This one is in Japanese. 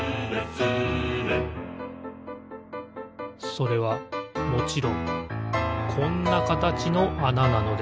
それはもちろんこんなかたちのあななのです